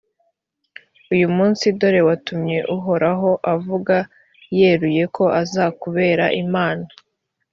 uyu munsi, dore watumye uhoraho avuga yeruye ko azakubera imana,